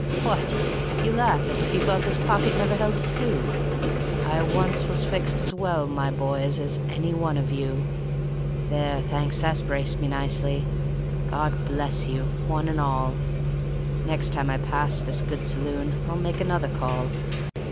What? You laugh as if you thought this pocket never held a sou; I once was fixed as well, my boys, as any one of you. "There, thanks, that's braced me nicely; God bless you one and all; Next time I pass this good saloon I'll make another call.